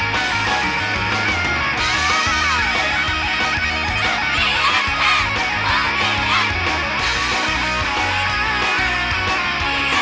มันใจในเลยว่าใครไม่ได้มาเลยเธอต้องชอบแม่ร้าย